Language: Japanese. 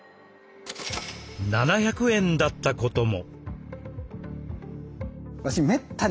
７００円だったことも。